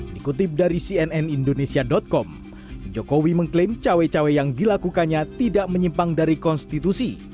dikutip dari cnn indonesia com jokowi mengklaim cawe cawe yang dilakukannya tidak menyimpang dari konstitusi